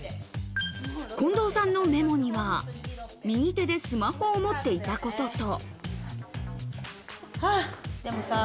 近藤さんのメモには、右手でスマホを持っていたことと。